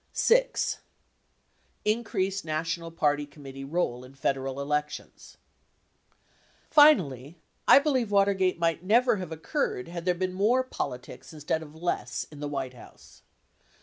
VI. Increased national party committee role in Federal elections. Finally, I believe Watergate might never have occurred had there been more politics instead of less in the White House.